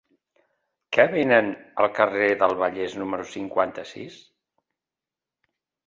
Què venen al carrer del Vallès número cinquanta-sis?